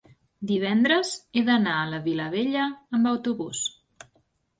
Divendres he d'anar a la Vilavella amb autobús.